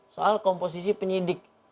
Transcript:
soal komposisi penyidik